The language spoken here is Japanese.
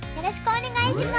お願いします。